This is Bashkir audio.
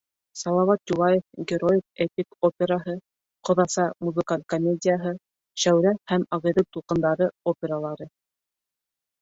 «Салауат Юлаев» героик-эпик операһы, «Ҡоҙаса» музыкаль комедияһы, «Шәүрә» һәм «Ағиҙел тулҡындары» опералары.